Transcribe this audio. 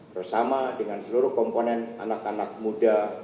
bersama dengan seluruh komponen anak anak muda